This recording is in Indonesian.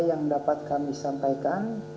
yang dapat kami sampaikan